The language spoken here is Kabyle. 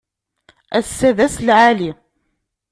Ass-a d ass lɛali.